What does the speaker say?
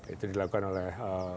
itu dilakukan oleh